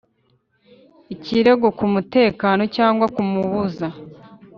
ikirego kumutegeka cyangwa kumubuza